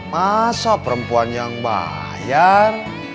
masa perempuan yang bayar